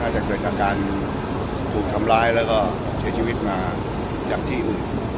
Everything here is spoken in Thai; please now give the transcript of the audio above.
อาจจะเกิดอาการถูกทำร้ายแล้วก็เสียชีวิตมาจากที่อื่น